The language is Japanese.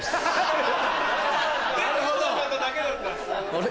あれ？